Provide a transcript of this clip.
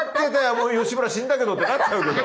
もう吉村死んだけどってなっちゃうけど。